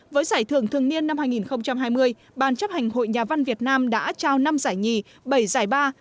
với giải thưởng thường niên năm hai nghìn hai mươi ban chấp hành hội nhà văn việt nam đã trao năm giải nhì bảy giải ba